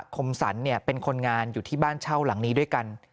คมสรรเป็นคนงานอยู่ที่บ้านเช่าหลังนี้ด้วยกัน